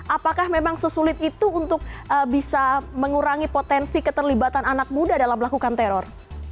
apakah memang sesulit itu untuk bisa mengurangi potensi keterlibatan anak muda dalam melakukan teror